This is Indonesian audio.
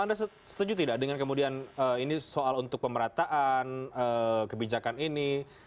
anda setuju tidak dengan kemudian ini soal untuk pemerataan kebijakan ini